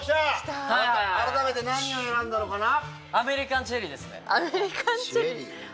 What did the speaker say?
改めて何を選んだのかな？